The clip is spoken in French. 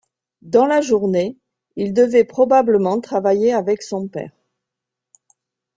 Dans la journée, il devait probablement travailler avec son père.